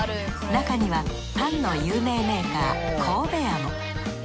なかにはパンの有名メーカー神戸屋も。